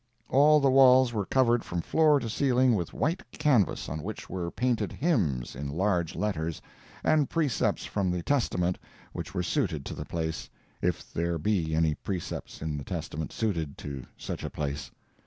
All the walls were covered from floor to ceiling with white canvas on which were painted hymns in large letters, and precepts from the Testament which were suited to the place—if there be any precepts in the Testament suited to such a place.